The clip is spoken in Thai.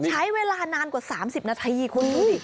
ใช้เวลานานกว่า๓๐นาทีคุณดูสิ